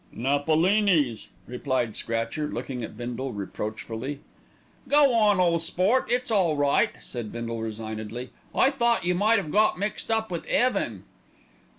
"Napolini's," replied Scratcher, looking at Bindle reproachfully. "Go on, ole sport; it's all right," said Bindle resignedly. "I thought you might 'ave got mixed up with 'eaven."